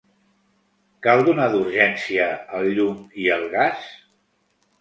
Cal donar d'urgència el llum i el gas?